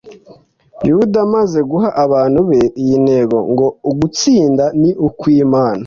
yuda, amaze guha abantu be iyi ntego ngo ugutsinda ni ukw'imana!